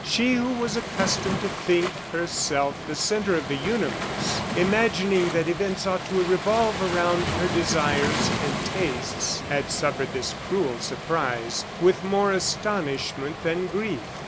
She who was accustomed to think herself the centre of the universe, imagining that events ought to revolve around her desires and tastes, had suffered this cruel surprise with more astonishment than grief.